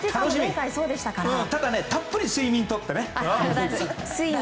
ただ、たっぷり睡眠をとってね。